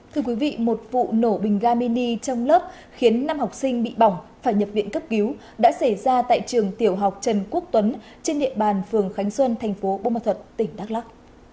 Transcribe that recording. thưa quý vị một vụ nổ bình ga mini trong lớp khiến năm học sinh bị bỏng phải nhập viện cấp cứu đã xảy ra tại trường tiểu học trần quốc tuấn trên địa bàn phường khánh xuân thành phố bù ma thuật tỉnh đắk lắc